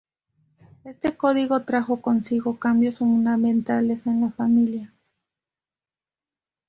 Este código trajo consigo cambios fundamentales en la familia.